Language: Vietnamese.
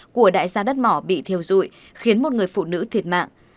của đại gia đất mỏ bị thiêu dụi khiến một người phụ nữ thiệt mạng